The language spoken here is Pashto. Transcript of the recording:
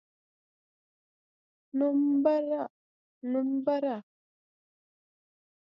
نومبره!